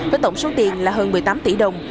với tổng số tiền là hơn một mươi tám tỷ đồng